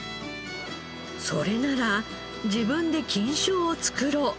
それなら自分で菌床を作ろう！